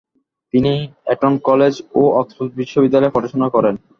তিনি Eton College ও Oxford বিশ্ববিদ্যালয়ে পড়াশুনা করেন।